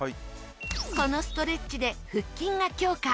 このストレッチで腹筋が強化。